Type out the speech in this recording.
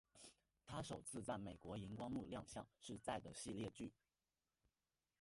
她首次在美国萤光幕亮相是在的系列剧。